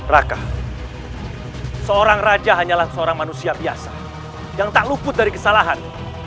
raka seorang raja hanyalah seorang manusia biasa yang tak luput dari kesalahan